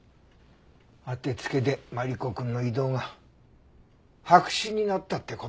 当てつけでマリコくんの異動が白紙になったって事ですか。